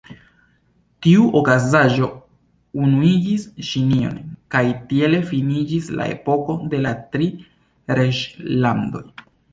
Tiu okazaĵo unuigis Ĉinion, kaj tiele finiĝis la epoko de la Tri Reĝlandoj.